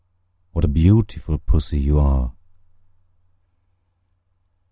What a beautiful Pussy you are!"